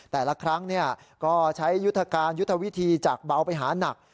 แต่ละครั้งก็ใช้ยุทธการยุทธวิธีจากเบาไปหานัก